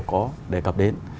có đề cập đến